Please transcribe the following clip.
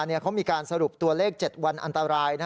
เขามีการสรุปตัวเลข๗วันอันตราย